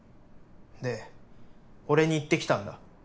で俺に言ってきたんだ。